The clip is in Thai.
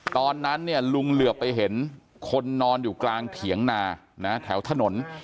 ตอนนั้นเนี่ยลุงเหลือไปเห็นคนนอนอยู่กลางเถียงนานะแถวถนน